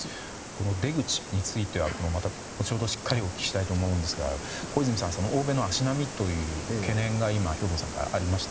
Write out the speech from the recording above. この出口についてはまた後程、しっかりお聞きしたいと思いますが欧米の足並みという懸念が今、兵頭さんからありました。